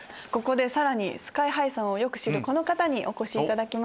さらにＳＫＹ−ＨＩさんをよく知るこの方にお越しいただきました。